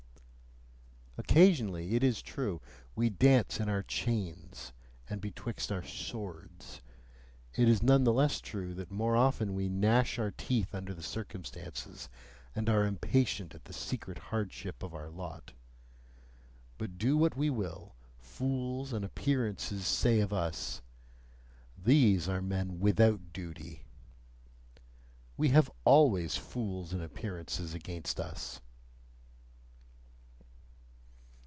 Occasionally, it is true, we dance in our "chains" and betwixt our "swords"; it is none the less true that more often we gnash our teeth under the circumstances, and are impatient at the secret hardship of our lot. But do what we will, fools and appearances say of us: "These are men WITHOUT duty," we have always fools and appearances against us!